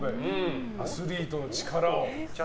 アスリートの力を。